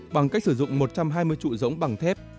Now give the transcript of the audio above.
bằng cách sử dụng một trăm hai mươi trụ giống bằng thép